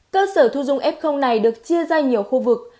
cơ sở thu dung f này được chia ra nhiều khu vực